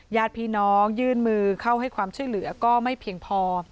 ญาติพี่น้องยื่นมือเข้าให้ความช่วยเหลือก็ไม่เพียงพอ